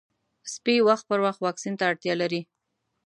سپي وخت پر وخت واکسین ته اړتیا لري.